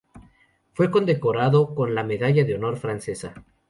Fue condecorado con la Medalla al Honor francesa.